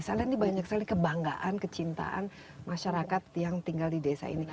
saya lihat ini banyak sekali kebanggaan kecintaan masyarakat yang tinggal di desa ini